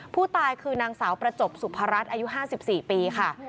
ผู้ตายคือนางสาวประจบสุภรัฐอายุ๕๔ปีค่ะ